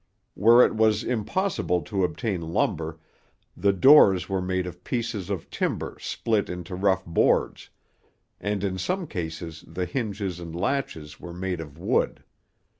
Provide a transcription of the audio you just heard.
Where it was impossible to obtain lumber, the doors were made of pieces of timber split into rough boards; and in some cases the hinges and latches were made of wood.